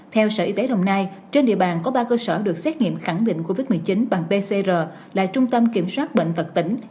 theo sở y tế đồng nai trên địa bàn có ba cơ sở được xét nghiệm khẳng định covid một mươi chín bằng pcr là trung tâm kiểm soát bệnh vật tỉnh